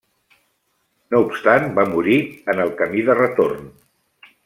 No obstant va morir en el camí de retorn.